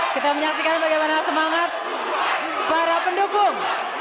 kita menyaksikan bagaimana semangat para pendukung